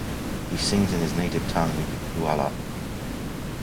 He sings in his native tongue, Duala.